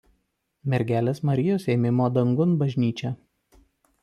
Mergelės Marijos Ėmimo Dangun bažnyčia.